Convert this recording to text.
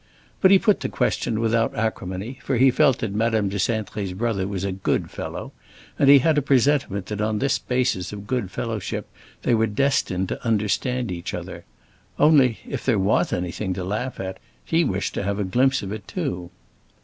But he put the question without acrimony, for he felt that Madame de Cintré's brother was a good fellow, and he had a presentiment that on this basis of good fellowship they were destined to understand each other. Only, if there was anything to laugh at, he wished to have a glimpse of it too.